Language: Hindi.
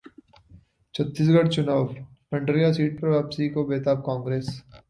छत्तीसगढ़ चुनाव: पंडरिया सीट पर वापसी को बेताब कांग्रेस